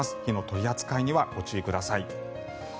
火の取り扱いにはご注意ください。